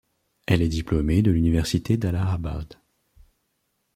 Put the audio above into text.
Elle est diplômée de l'Université d'Allahabad.